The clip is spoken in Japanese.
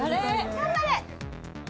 頑張れ！